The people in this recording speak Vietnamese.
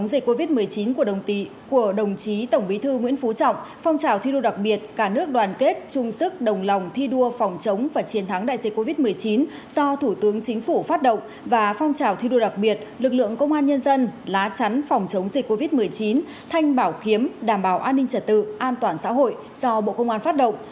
đoàn kết phòng chống dịch covid một mươi chín của đồng chí tổng bí thư nguyễn phú trọng phong trào thi đua đặc biệt cả nước đoàn kết chung sức đồng lòng thi đua phòng chống và chiến thắng đại dịch covid một mươi chín do thủ tướng chính phủ phát động và phong trào thi đua đặc biệt lực lượng công an nhân dân lá chắn phòng chống dịch covid một mươi chín thanh bảo kiếm đảm bảo an ninh trật tự an toàn xã hội do bộ công an phát động